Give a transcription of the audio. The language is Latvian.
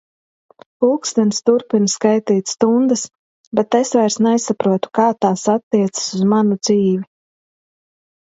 Pulkstenis turpina skaitīt stundas, bet es vairs nesaprotu, kā tās attiecas uz manu dzīvi.